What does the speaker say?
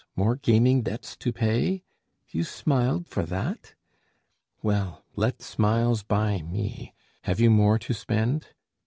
More gaming debts to pay? you smiled for that? Well, let smiles buy me! have you more to spend?